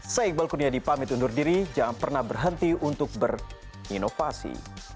saya iqbal kurnia dipamit undur diri jangan pernah berhenti untuk berinovasi